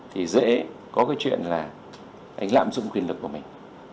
thì dễ có cái chuyện là anh lạm dụng quyền lực của mình